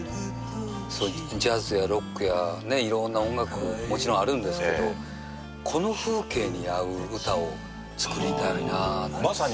ジャズやロックやね、いろんな音楽が、もちろんあるんですけど、この風景に合う歌を作りたいなぁって。